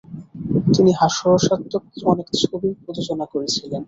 তিনি হাস্যরসাত্মক অনেক ছবির প্রযোজনা করেছিলেন।